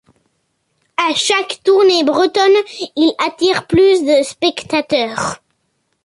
À chaque tournée bretonne, il attire plus de spectateurs.